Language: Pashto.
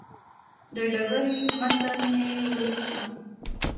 د ډبرې متن مې ولیکه.